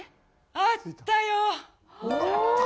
あったよ！